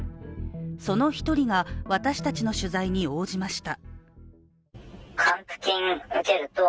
その１人が、私たちの取材に応じました。